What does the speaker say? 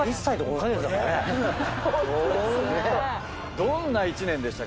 どんな１年でしたか？